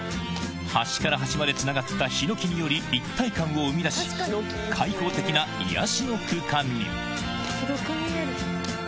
端から端までつながったヒノキにより一体感を生み出し開放的な癒やしの空間に広く見える。